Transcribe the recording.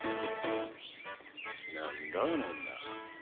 何だあの女。